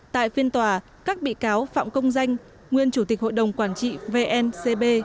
tại phiên tòa các bị cáo phạm công danh nguyên chủ tịch hội đồng quản trị vncb